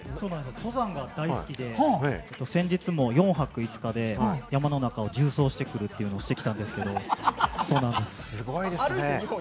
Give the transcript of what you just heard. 登山が大好きで、先日も４泊５日で山の中を縦走してくるというのをしてきたんですけれども、そうなんですよ。